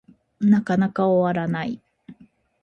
なかなか終わらない